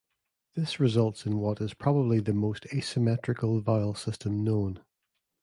This results in what is probably the most asymmetrical vowel system known.